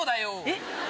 えっ？